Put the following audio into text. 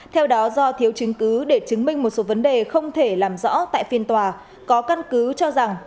theo đó do thiếu chứng cứ để chứng minh một số vấn đề không thể làm rõ tại phiên tòa có căn cứ cho rằng